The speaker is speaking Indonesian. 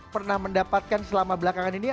pernah mendapatkan selama belakangan ini